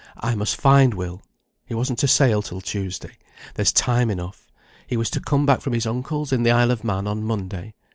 I must find Will. He wasn't to sail till Tuesday. There's time enough. He was to come back from his uncle's, in the Isle of Man, on Monday.